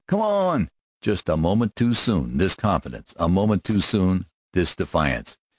Come on!" Just a moment too soon this confidence, a moment too soon this defiance.